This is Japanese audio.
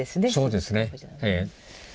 そうですね。